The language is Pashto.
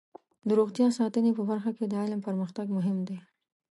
د روغتیا ساتنې په برخه کې د علم پرمختګ مهم دی.